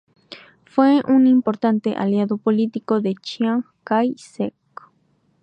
Fue un importante aliado político de Chiang Kai-shek.